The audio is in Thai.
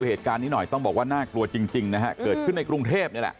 เหตุการณ์นี้หน่อยต้องบอกว่าน่ากลัวจริงจริงนะฮะเกิดขึ้นในกรุงเทพนี่แหละ